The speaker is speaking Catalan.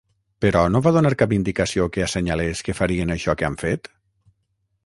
Però no va donar cap indicació que assenyalés que farien això que han fet?